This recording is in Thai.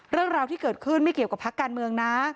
เรื่องราวที่เกิดขึ้นไม่เกี่ยวกับพักการเมืองนะ